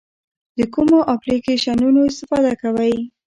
د کومو اپلیکیشنونو استفاده کوئ؟